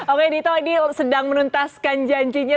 oke dito ini sedang menuntaskan janjinya